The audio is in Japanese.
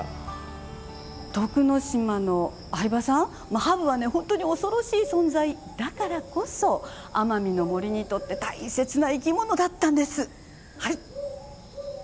徳之島の相葉さん、ハブは本当に恐ろしい存在だからこそ奄美の森にとって大切な生き物だったんです。